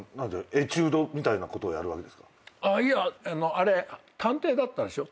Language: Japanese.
あれ探偵だったでしょ？